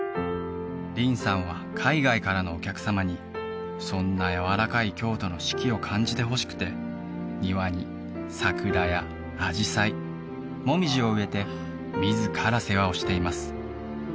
林さんは海外からのお客様にそんなやわらかい京都の四季を感じてほしくて庭に桜やアジサイ紅葉を植えて自ら世話をしています